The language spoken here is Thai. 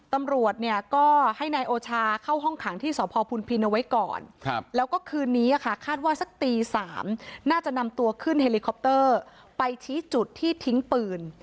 ตำรวจเนี่ยก็ให้นายโอชาเข้าห้องขังที่สพพุนพินเอาไว้ก่อนแล้วก็คืนนี้คาดว่าสักตี๓น่าจะนำตัวขึ้นเฮลิคอปเตอร์ไปชี้จุดที่ทิ้งปืน